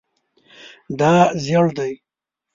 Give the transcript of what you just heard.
دا زیړ دی